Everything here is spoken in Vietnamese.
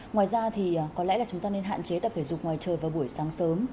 ngoài ra thì có lẽ là chúng ta nên hạn chế tập thể dục ngoài trời vào buổi sáng sớm